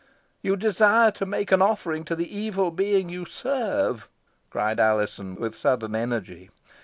"You desire to make an offering to the evil being you serve," cried Alizon, with sudden energy.